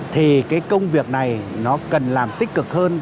thì cái công việc này nó cần làm tích cực hơn